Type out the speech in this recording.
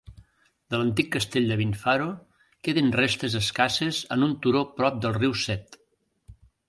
De l'antic Castell de Vinfaro queden restes escasses en un turó prop el riu Set.